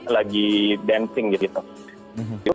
lagi dancing gitu